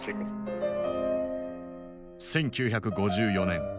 １９５４年。